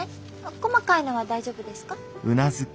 細かいのは大丈夫ですか？